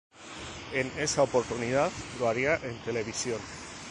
En esa oportunidad, lo haría en televisión.